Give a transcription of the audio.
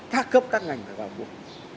khắc cấp các ngành phải vào buộc